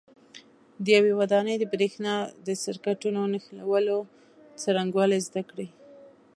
د یوې ودانۍ د برېښنا د سرکټونو د نښلولو څرنګوالي زده کړئ.